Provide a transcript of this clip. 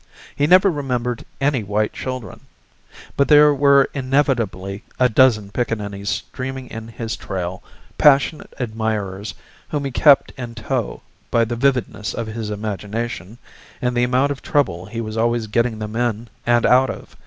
He never remembered any white children but there were inevitably a dozen pickaninnies streaming in his trail, passionate admirers whom he kept in tow by the vividness of his imagination and the amount of trouble he was always getting them in and out of.